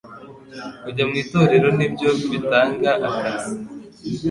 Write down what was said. Kujya mu Itorero ni byo bitanga akazi